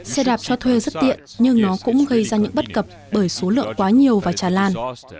xe đạp cho thuê rất tiện nhưng nó cũng gây ra những bất cập bởi số lượng quá nhiều và tràn lan